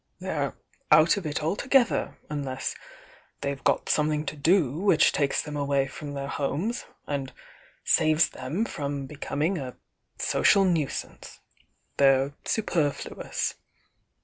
They're out of it aJ together unless they've got something to do which takes them away from their homes and saves them trom becommg a social nuisance. They're superflu ous.